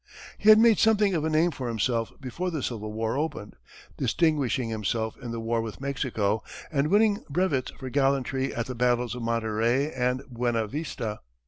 He had made something of a name for himself before the Civil War opened, distinguishing himself in the war with Mexico and winning brevets for gallantry at the battles of Monterey and Buena Vista.